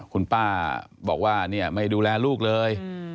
คุณป้าบอกว่าไม่ดูแลลูกเลย